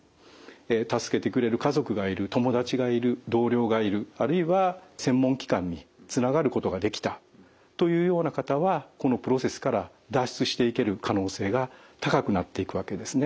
助けてくれる家族がいる友達がいる同僚がいるあるいは専門機関につながることができたというような方はこのプロセスから脱出していける可能性が高くなっていくわけですね。